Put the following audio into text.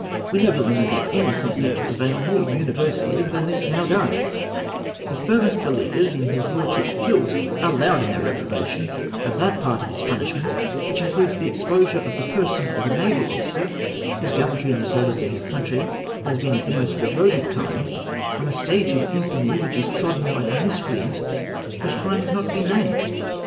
We never remember any sentiment to prevail more universally than this now does : the firmest believers in his Lordship's guilt are loud in their reprobation of that part of his punishment which includes the exposure of the person of a naval officer, whose gallantry in the service of his country has been of the most devoted kind, on a stage of infamy which is trodden by the miscreant whose crime is not to be named.